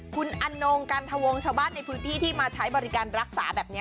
คุณอนงกันทวงชาวบ้านในพื้นที่ที่มาใช้บริการรักษาแบบนี้